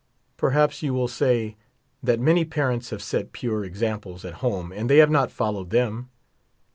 Perhaps you will say, that many parents have set pure examples at home, and they have not followed them.